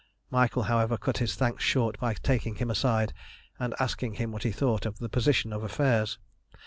Michael, however, cut his thanks short by taking him aside and asking him what he thought of the position of affairs.